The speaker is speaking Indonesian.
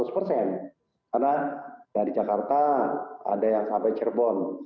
karena dari jakarta ada yang sampai cirebon